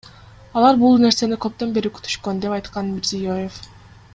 Алар бул нерсени көптөн бери күтүшкөн, — деп айткан Мирзиёев.